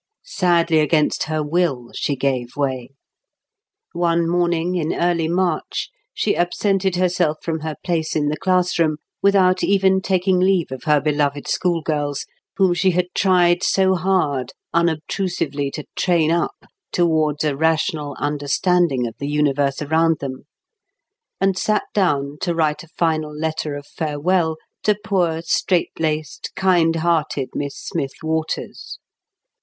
Sadly against her will she gave way. One morning in early March, she absented herself from her place in the class room without even taking leave of her beloved schoolgirls, whom she had tried so hard unobtrusively to train up towards a rational understanding of the universe around them, and sat down to write a final letter of farewell to poor straight laced kind hearted Miss Smith Waters.